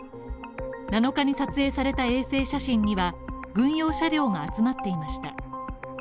７日に撮影された衛星写真には軍用車両が集まっていました。